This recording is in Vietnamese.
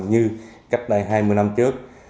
như cách đây hai mươi năm trước